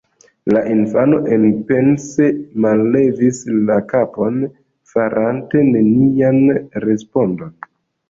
La infano enpense mallevis la kapon, farante nenian respondon.